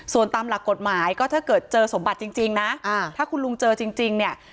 ส่วนตามหลักกฎหมายก็ถ้าเกิดเจอสมบัติจริงนะถ้าคุณลุงเจอจริงเนี่ย